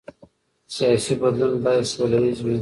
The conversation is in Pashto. سیاسي بدلون باید سوله ییز وي